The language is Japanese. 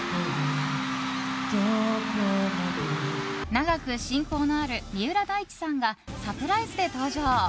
長く親交のある三浦大知さんがサプライズで登場。